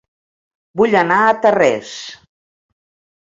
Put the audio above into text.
Vull anar a Tarrés